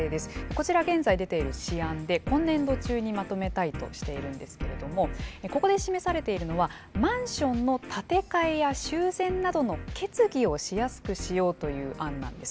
こちら現在出ている試案で今年度中にまとめたいとしているんですけれどもここで示されているのはマンションの建て替えや修繕などの決議をしやすくしようという案なんです。